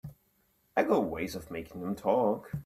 I got ways of making them talk.